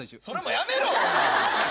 それもやめろ！